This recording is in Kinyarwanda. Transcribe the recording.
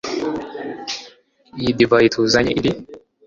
iyi divayi tuzanye iri